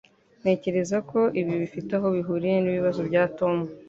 Ntekereza ko ibi bifite aho bihuriye nibibazo bya Tom.